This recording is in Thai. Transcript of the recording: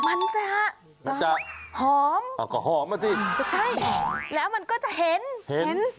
มันจะมันจะหอมอ่าก็หอมอ่ะสิใช่แล้วมันก็จะเห็นเห็น